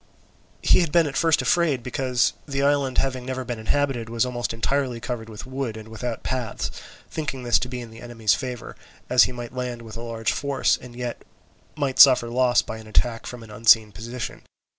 He had been at first afraid, because the island having never been inhabited was almost entirely covered with wood and without paths, thinking this to be in the enemy's favour, as he might land with a large force, and yet might suffer loss by an attack from an unseen position.